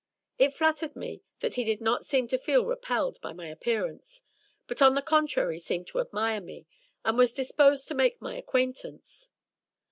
It flattered me that he did not seem to feel repelled by my appearance, but on the contrary seemed to admire me, and was disposed to make my acquaintance.